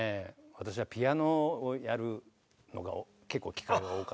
私はピアノをやるのが結構機会が多かったです。